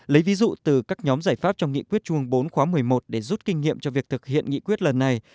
lấy ví dụ từ các nhóm giải pháp trong nghị quyết trung ương bốn khóa một mươi một để rút kinh nghiệm cho việc thực hiện nghị quyết lần này